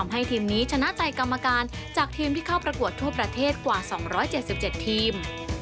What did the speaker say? ให้ทีมนี้ชนะใจกรรมการจากทีมที่เข้าประกวดทั่วประเทศกว่า๒๗๗ทีม